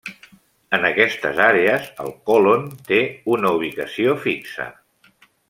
En aquestes àrees el còlon té una ubicació fixa.